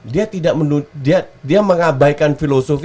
dia mengabaikan filosofi